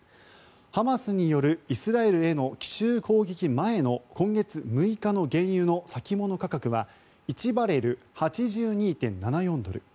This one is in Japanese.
ハマスによるイスラエルへの奇襲攻撃前の今月６日の原油の先物価格は１バレル＝８２．７４ドル。